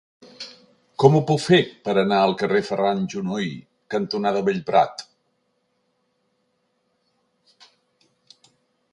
Com ho puc fer per anar al carrer Ferran Junoy cantonada Bellprat?